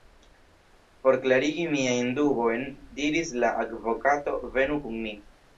Por klarigi miajn dubojn, diris la advokato, venu kun mi.